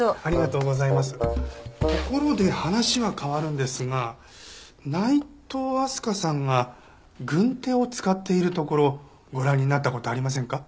ところで話は変わるんですが内藤明日香さんが軍手を使っているところご覧になった事ありませんか？